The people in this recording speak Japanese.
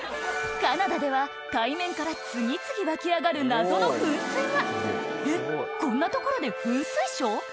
海面から次々湧き上がる謎の噴水がえっこんな所で噴水ショー？